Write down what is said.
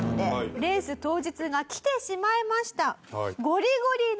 レース当日が来てしまいました。